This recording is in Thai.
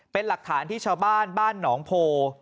เป็นหลักฐานที่ชาวบ้านบ้านหนองโพ